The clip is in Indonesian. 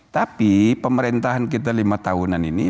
tapi pemerintahan kita lima tahunan ini